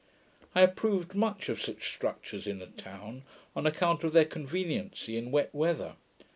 I approved much of such structures in a town, on account of their conveniency in wet weather.